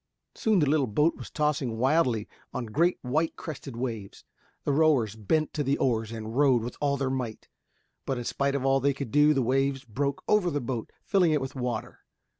Soon the little boat was tossing wildly on great white crested waves. The rowers bent to the oars and rowed with all their might. But in spite of all they could do, the waves broke over the boat, filling it with water.